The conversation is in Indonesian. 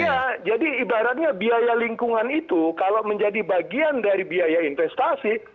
iya jadi ibaratnya biaya lingkungan itu kalau menjadi bagian dari biaya investasi